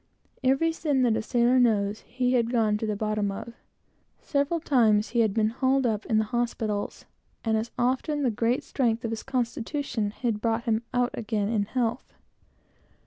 Every sin that a sailor knows, he had gone to the bottom of. Several times he had been hauled up in the hospitals, and as often, the great strength of his constitution had brought him out again in health.